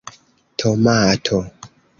tomato